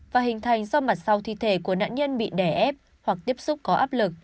và hình thành do mặt sau thi thể của nạn nhân bị đẻ ép hoặc tiếp xúc có áp lực